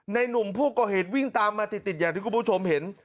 หนุ่มผู้ก่อเหตุวิ่งตามมาติดอย่างที่คุณผู้ชมเห็น